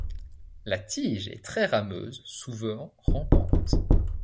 La tige est très rameuse, souvent rampante.